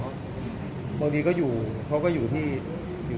บางทีก็อยู่เขาก็อยู่ที่อยู่